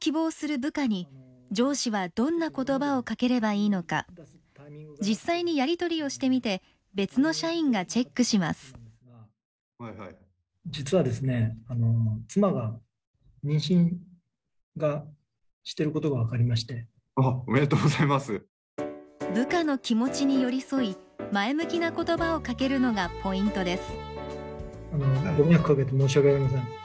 部下の気持ちに寄り添い前向きな言葉をかけるのがポイントです。